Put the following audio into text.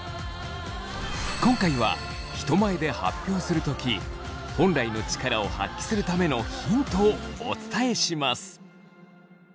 今回は人前で発表するとき本来の力を発揮するためのヒントをお伝えします。